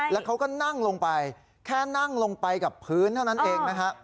แล้วเขาก็นั่งลงไปแค่นั่งลงไปกับพื้นเท่านั้นเองนะฮะ